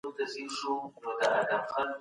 زه به سبا د نوټونو بشپړونه وکړم.